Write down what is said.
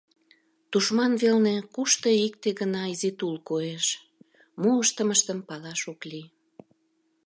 Тушман велне кушто икте гына изи тул коеш, мо ыштымыштым палаш ок лий.